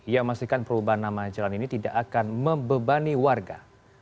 ia memastikan perubahan nama jalan ini tidak akan membebani warga